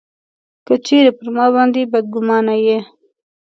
که چېرې پر ما باندي بدګومانه یې.